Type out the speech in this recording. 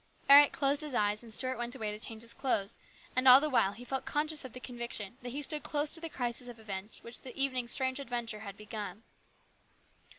Eric closed his eyes, and Stuart went away to change his clothes, and all the while he felt conscious of the conviction that he stood close to the crisis of events which the evening's strange adventure had begun.